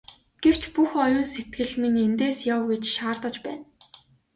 Гэвч бүх оюун сэтгэл минь эндээс яв гэж шаардаж байна.